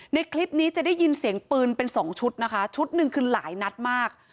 ในคลิปนี้จะได้ยินเสียงปืนเป็นสองชุดนะคะชุดหนึ่งคือหลายนัดมาก